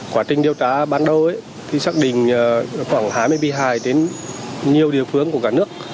quá trình điều tra ban đầu thì xác định khoảng hai mươi bị hại đến nhiều địa phương của cả nước